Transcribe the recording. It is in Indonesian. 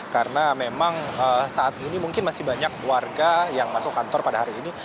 karena memang saat ini mungkin masih banyak warga yang masuk kantor pada hari ini